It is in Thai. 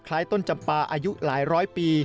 ต้นจำปลาอายุหลายร้อยปี